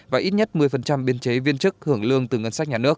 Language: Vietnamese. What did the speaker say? và ít nhất một mươi biên chế viên chức hưởng lương từ ngân sách nhà nước